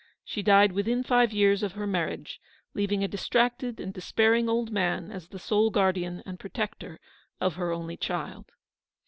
She died within five years of her marriage, leaving a distracted and despairing old man as the sole guardian and protector of her only child.